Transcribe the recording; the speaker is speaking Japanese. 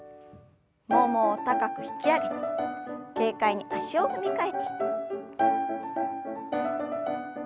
ももを高く引き上げて軽快に足を踏み替えて。